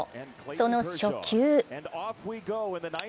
その初球。